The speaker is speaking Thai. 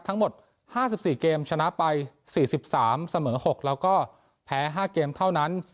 ทั้งหมดห้าสิบสี่เกมชนะไปสี่สิบสามเสมอหกแล้วก็แพ้ห้าเกมเท่านั้น